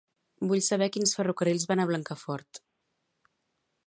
Vull saber quins ferrocarrils van a Blancafort.